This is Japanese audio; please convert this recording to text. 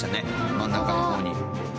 真ん中の方に。